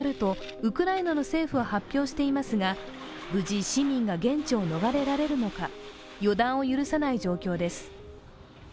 市民の退避は、日本時間の今日午後６時に始まるとウクライナの政府は発表していますが、無事、市民が現地を逃れられるのか予断を許さない状況です。